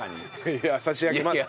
いや「差し上げます」。